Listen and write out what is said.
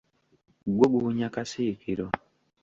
Gwo guwunya kasiikiro.